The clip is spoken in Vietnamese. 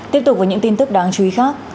tiếp tục với những tin tức đáng chú ý khác